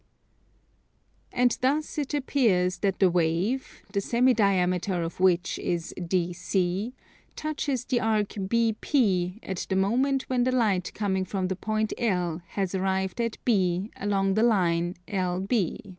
And thus it appears that the wave, the semi diameter of which is DC, touches the arc BP at the moment when the light coming from the point L has arrived at B along the line LB.